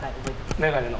眼鏡の。